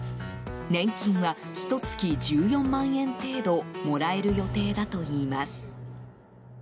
年金は、ひと月１４万円程度もらえる予定だといいます。